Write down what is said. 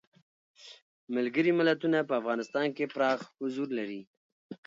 ملګري ملتونه په افغانستان کې پراخ حضور لري.